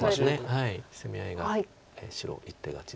攻め合いが白１手勝ちです。